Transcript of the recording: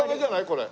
これ。